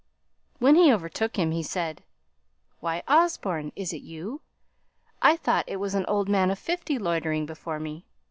When he overtook him he said, "Why, Osborne, is it you? I thought it was an old man of fifty loitering before me!